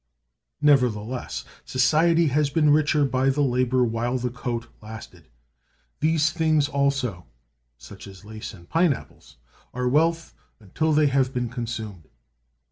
Nevertheless, society has been richer by the labor while the coat lasted. These things also [such as lace and pine apples] are wealth until they have been consumed.